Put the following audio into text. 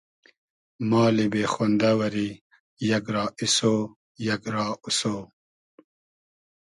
مالی بې خۉندۂ وئری یئگ را ایسۉ , یئگ را اوسۉ